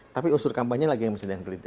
tapi usur kampanye lagi yang sedang terliti